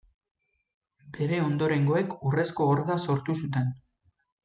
Bere ondorengoek Urrezko Horda sortu zuten.